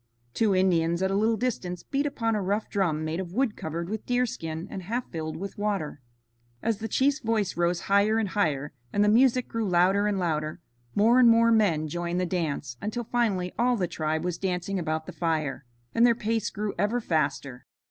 Two Indians at a little distance beat upon a rough drum made of wood covered with deerskin and half filled with water. As the chief's voice rose higher and higher and the music grew louder and louder, more and more men joined the dance, until finally all the tribe was dancing about the fire, and their pace grew ever faster.